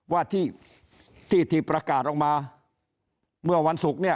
ว่าที่ที่ประกาศออกมาเมื่อวันศุกร์เนี่ย